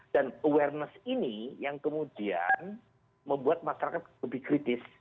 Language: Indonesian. dan awareness ini yang kemudian membuat masyarakat lebih kritis